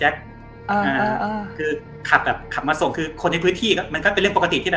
คือขับมาส่งคนในพื้นที่มันก็เป็นเรื่องปกติ